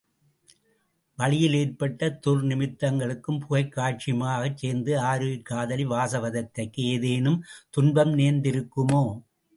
வழியில் ஏற்பட்ட துர்நிமித்தங்களும் புகைக் காட்சியுமாகச் சேர்ந்து ஆருயிர்க் காதலி வாசவதத்தைக்கு ஏதேனும் துன்பம் நேர்ந்திருக்குமோ?